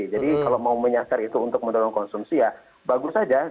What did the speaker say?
jadi kalau mau menyasar itu untuk mendorong konsumsi ya bagus sekali